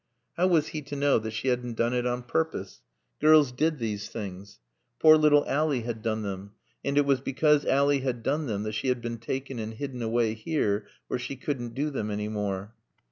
How was he to know that she hadn't done it on purpose? Girls did these things. Poor little Ally had done them. And it was because Ally had done them that she had been taken and hidden away here where she couldn't do them any more.